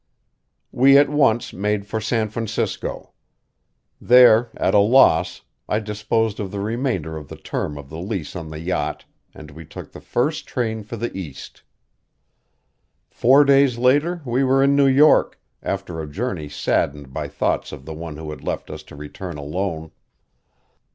We at once made for San Francisco. There, at a loss, I disposed of the remainder of the term of the lease on the yacht, and we took the first train for the East. Four days later we were in New York, after a journey saddened by thoughts of the one who had left us to return alone.